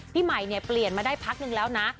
พี่ใหม่เนี่ยเปลี่ยนมาได้พักนึงแล้วนะ